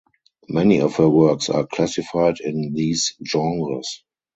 Many of her works are classified in these genres.